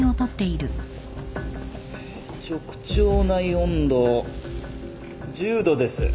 直腸内温度１０℃です。